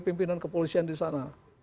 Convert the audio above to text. pimpinan kepolisian disana